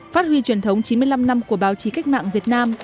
phát huy truyền thống chín mươi năm năm của báo chí cách mạng việt nam